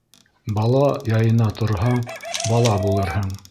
Бала яйына торһаң, бала булырһың.